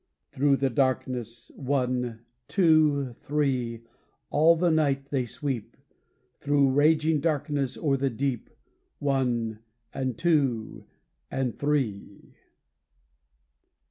Thro' the darkness, One, Two, Three, All the night they sweep: Thro' raging darkness o'er the deep, One and Two and Three.